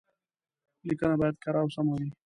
ليکنه بايد کره او سمه وي.